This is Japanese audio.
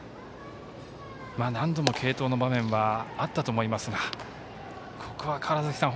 何度も継投の場面はあったと思いますがここは川原崎さん